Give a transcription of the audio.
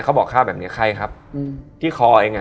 เขาบอกฆ่าแบบนี้ใครครับที่คอเองอ่ะ